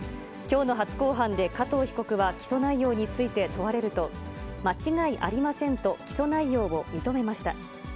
きょうの初公判で加藤被告は起訴内容について問われると、間違いありませんと、起訴内容を認めました。